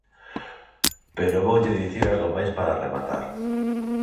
Pero voulle dicir algo máis para rematar.